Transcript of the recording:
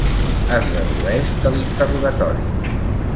Es dedueix de l’interrogatori.